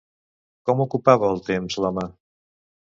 Com ocupava el temps l'home?